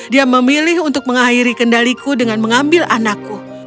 dia memilih untuk mengakhiri kendaliku dengan mengambil anakku